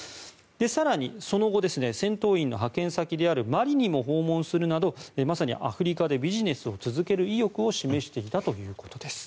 更にその後戦闘員の派遣先であるマリにも訪問するなどまさにアフリカでビジネスを続ける意欲を示していたということです。